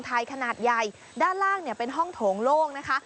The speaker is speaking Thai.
ขนาดใหญ่ด้านล่างเนี่ยเป็นห้องโถงโล่งนะคะ